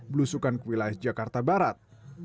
belusukan kewilayah jakarta barat